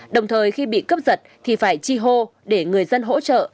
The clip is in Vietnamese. đồng thời khi bị cấp dựt thì phải chi hô để người dân hỗ trợ